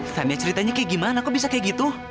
famia ceritanya kayak gimana kok bisa kayak gitu